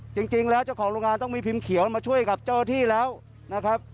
จริงแล้วเจ้าของโรงงานต้องมีพิมพ์เขียวมาช่วยกับเจ้าหน้าที่แล้วนะครับ